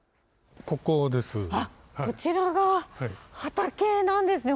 こちらが畑なんですね。